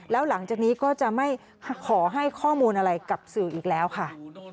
แล้วหลังจากนี้ก็จะไม่ขอให้ข้อมูลอะไรกับสื่ออีกแล้วค่ะ